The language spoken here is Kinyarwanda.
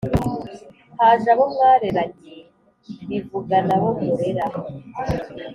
Haje abo mwareranye Bivugana abo murera ;